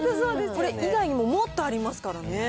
これ以外にももっとありますからね。